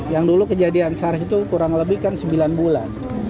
yang dulu kejadian sars itu kurang lebih kan sembilan bulan